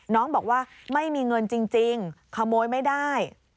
น้องบอกว่าไม่มีเงินจริงขโมยไม่ได้